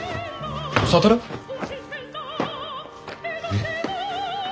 えっ。